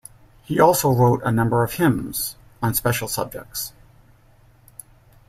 He also wrote a number of hymns, on special subjects.